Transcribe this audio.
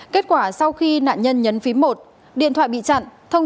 kết quả sau khi nạn nhân nhấn phím một điện thoại bị chặn